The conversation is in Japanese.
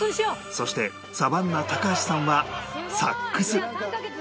そしてサバンナ高橋さんはサックス